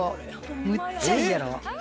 むっちゃいいやろ。